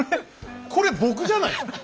これ僕じゃないですか？